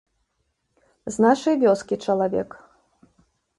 З нашай вёскі чалавек.